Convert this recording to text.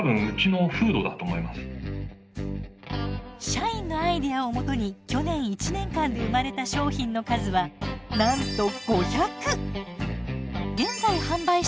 社員のアイデアをもとに去年１年間で生まれた商品の数はなんと５００。